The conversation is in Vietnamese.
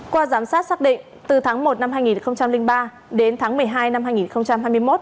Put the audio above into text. qua giám sát xác định từ tháng một năm hai nghìn ba đến tháng một mươi hai năm hai nghìn hai mươi một